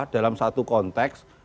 dalam satu konteks